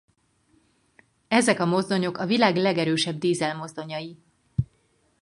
Ezek a mozdonyok a világ legerősebb dízelmozdonyai.